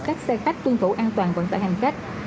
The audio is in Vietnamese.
các xe khách tuân thủ an toàn vận tải hành khách